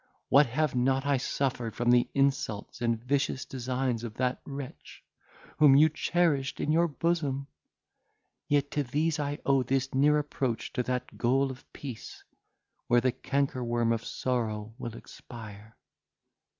What have not I suffered from the insults and vicious designs of that wretch, whom you cherished in your bosom! Yet to these I owe this near approach to that goal of peace, where the canker worm of sorrow will expire.